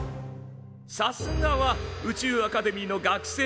さすがは宇宙アカデミーの学生。